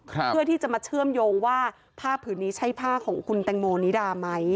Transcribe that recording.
เพื่อที่จะมาเชื่อมโยงว่าผ้าผืนนี้ใช่ผ้าของคุณแตงโมนิดาไหม